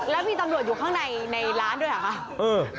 แล้วมีตำรวจอยู่ข้างในในร้านด้วยเหรอคะ